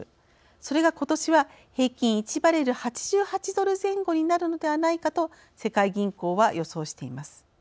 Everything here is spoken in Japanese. それが今年は平均１バレル８８ドル前後になるのではないかと世界銀行は予想しています。